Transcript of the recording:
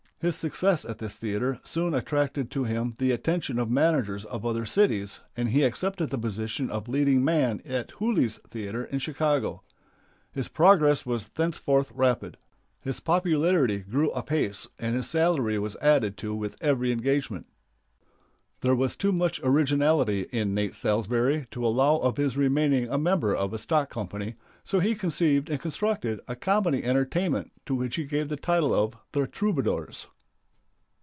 His success at this theater soon attracted to him the attention of managers of other cities, and he accepted the position of leading man at Hooley's Theater in Chicago. His progress was thenceforth rapid. His popularity grew apace and his salary was added to with every engagement. There was too much originality in Nate Salsbury to allow of his remaining a member of a stock company, so he conceived and constructed a comedy entertainment to which he gave the title of "The Troubadours."